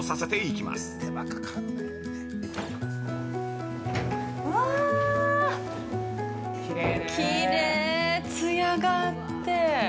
きれい、艶があって。